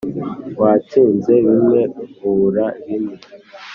watsinze bimwe, ubura bimwe